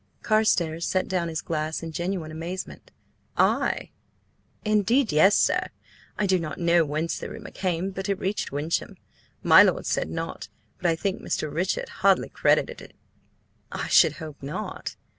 Carstares set down his glass in genuine amazement. "I?" "Indeed, yes. I do not know whence the rumour came, but it reached Wyncham. My lord said nought, but I think Mr. Richard hardly credited it." "I should hope not!